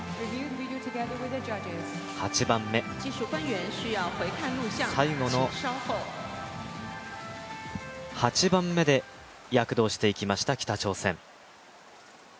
８番目、最後の８番目で躍動してきました